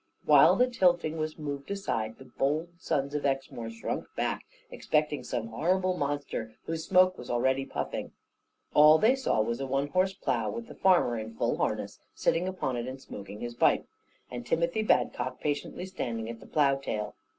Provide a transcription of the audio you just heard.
While the tilting was moved aside, the bold sons of Exmoor shrunk back, expecting some horrible monster, whose smoke was already puffing. All they saw was a one horse plough with the farmer, in full harness, sitting upon it and smoking his pipe, and Timothy Badcock patiently standing at the plough tail.